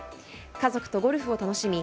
家族とゴルフを楽しみ